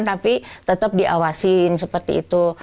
tapi tetap diawasin seperti itu